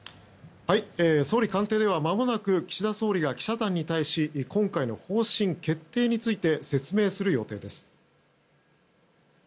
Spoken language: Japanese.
総理官邸ではまもなく岸田総理が記者団に対し今回の方針決定について説明する予定です。